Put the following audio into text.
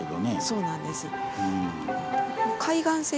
そうなんです。